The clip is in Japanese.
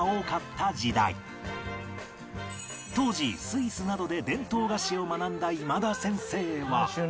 当時スイスなどで伝統菓子を学んだ今田先生は